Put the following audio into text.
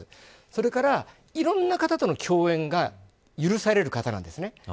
それからいろんな方との共演が許される方なんですね。